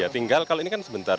tinggal kalau ini kan sebentar